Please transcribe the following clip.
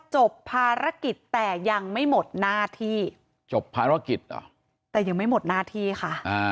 จบภารกิจแต่ยังไม่หมดหน้าที่จบภารกิจเหรอแต่ยังไม่หมดหน้าที่ค่ะ